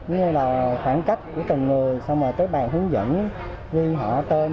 như là khoảng cách của từng người xong rồi tới bàn hướng dẫn ghi họ tên